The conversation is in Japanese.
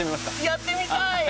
やってみたい！